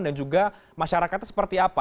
dan juga masyarakatnya seperti apa